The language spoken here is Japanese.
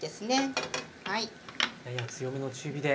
やや強めの中火で。